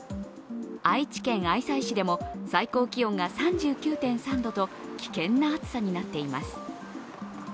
愛知県愛西市でも最高気温が３９．３度と危険な暑さになっています。